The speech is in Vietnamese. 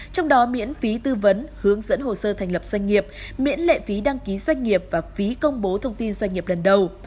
trong đó miễn phí tư vấn hướng dẫn hồ sơ thành lập doanh nghiệp miễn lệ phí đăng ký doanh nghiệp và phí công bố thông tin doanh nghiệp lần đầu